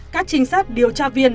các trinh sát điều tra viên